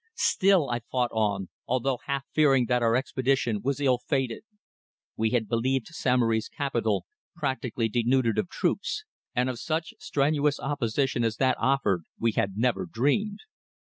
Still I fought on, although half fearing that our expedition was ill fated. We had believed Samory's capital practically denuded of troops, and of such strenuous opposition as that offered we had never dreamed.